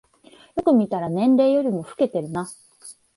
よく見たら年齢よりも老けてるな